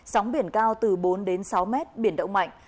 sóng biển cao từ bốn đến sáu mét biển động mạnh